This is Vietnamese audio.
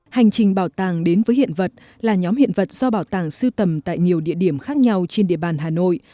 hành trình bảo tàng đến với hiện vật là nhóm hiện vật do bảo tàng siêu tầm tại nhiều địa điểm khác nhau trên địa bàn hà nội